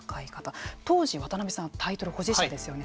当時渡辺さんはタイトル保持者ですよね。